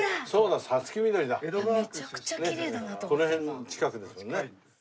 この辺の近くですもんね。